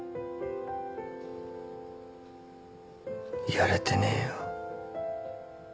やれてねえよ。